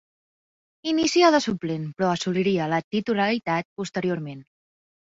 Inicia de suplent, però assoliria la titularitat posteriorment.